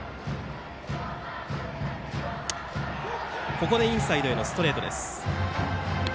ここでインサイドへのストレート。